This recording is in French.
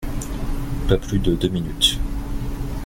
Pas plus de deux minutes.